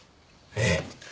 ええ。